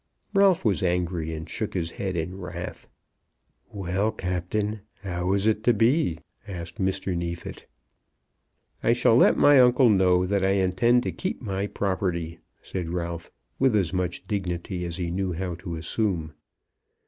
Ralph was angry, and shook his head in wrath. "Well, Captain, how's it to be?" asked Mr. Neefit. "I shall let my uncle know that I intend to keep my property," said Ralph, with as much dignity as he knew how to assume.